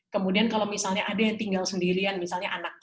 kemudian kalau misalnya ada yang tinggal sendirian